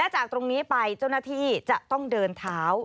จากตรงนี้ไปเจ้าหน้าที่จะต้องเดินเท้า